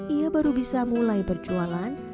ia baru bisa mulai berjualan